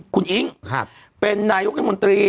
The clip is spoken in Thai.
คุณอิ๊งเป็นนายกรัฐมนตรี